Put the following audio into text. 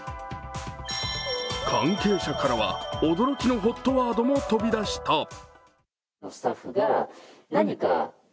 関係者からは驚きのＨＯＴワードも飛び出した。